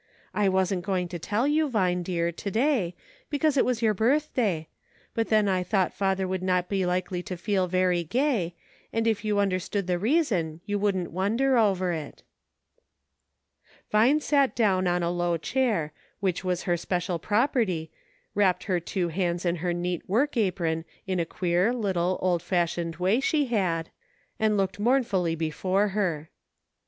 I wasn't going to tell you, Vine, dear, to day, since it was your birthday, but then I thought father would not be likely to feel very gay, and if you under stood the reason, you wouldn't wonder over it." 20 "march! I SAID." Vine sat down on a low chair, which was her special property, wrapped her two hands in her neat work apron in a queer, little, old fashioned way she had, and looked mournfully before her.